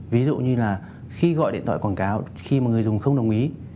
ví dụ như là khi gọi điện thoại quảng cáo khi mà người dùng không đồng ý